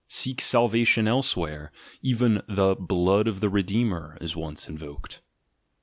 Seek salvation elsewhere!" Even the "blood of the Redeemer" is once invoked.